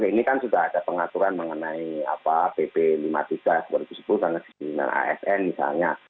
ini kan sudah ada pengaturan mengenai pp lima puluh tiga dua ribu sepuluh dan asn misalnya